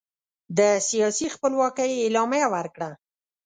د سیاسي خپلواکۍ اعلامیه ورکړه.